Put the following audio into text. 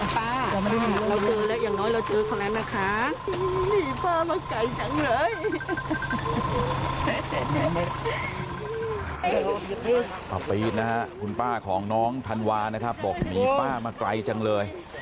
พระบพีธนะครับคุณป้าของน้องธันวาน่ะครับบอกมีป้ามาไกลจังเลย